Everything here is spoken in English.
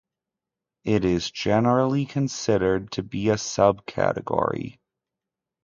It is generally considered to be a subcategory.